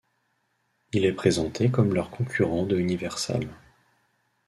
Il est présenté comme leur concurrent de Universal.